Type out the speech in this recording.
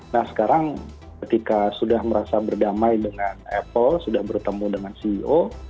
nah sekarang ketika sudah merasa berdamai dengan apple sudah bertemu dengan ceo